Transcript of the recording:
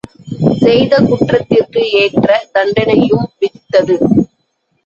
செய்த குற்றத்திற்கு ஏற்ற தண்டனையும் விதித்தது.